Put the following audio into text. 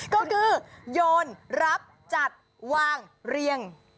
ก็คือโยนรับจัดวางเรียง